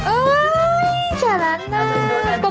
โอ๊ยฉลาดมาก